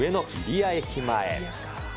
入谷駅前。